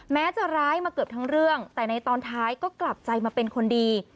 แม้จะร้ายมาเกือบทั้งเรื่องแต่ในตอนท้ายก็กลับใจมาเป็นคนดี